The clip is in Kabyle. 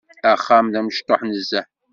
Axxam-a d amecṭuḥ nezzeh.